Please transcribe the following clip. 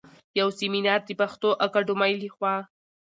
يو سمينار د پښتو اکاډمۍ لخوا